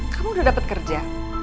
kamu udah dapet kerja